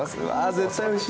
絶対おいしい。